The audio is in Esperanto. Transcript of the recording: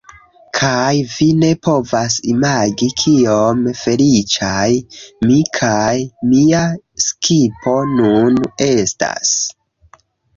Kaj vi ne povas imagi kiom feliĉaj mi kaj mia skipo nun estas